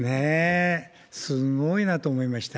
すごいなと思いました。